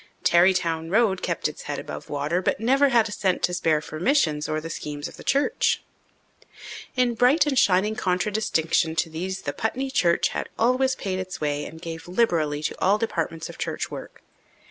Tarrytown Road kept its head above water but never had a cent to spare for missions or the schemes of the church. In bright and shining contradistinction to these the Putney church had always paid its way and gave liberally to all departments of church work.